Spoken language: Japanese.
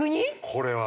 ◆これは。